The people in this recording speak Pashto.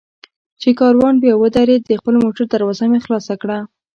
چې کاروان بیا ودرېد، د خپل موټر دروازه مې خلاصه کړه.